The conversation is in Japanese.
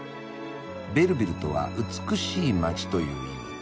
「ベルヴィルとは美しい街という意味。